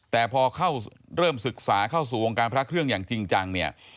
แต่พอเข้าเริ่มศึกษาเข้าสู่วงการพระเครื่องอย่างจริงจังเนี่ย